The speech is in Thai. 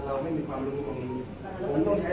แต่ว่าไม่มีปรากฏว่าถ้าเกิดคนให้ยาที่๓๑